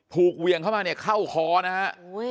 เวี่ยงเข้ามาเนี่ยเข้าคอนะฮะ